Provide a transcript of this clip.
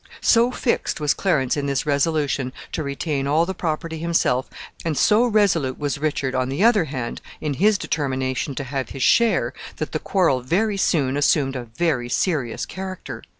So fixed was Clarence in this resolution to retain all the property himself, and so resolute was Richard, on the other hand, in his determination to have his share, that the quarrel very soon assumed a very serious character.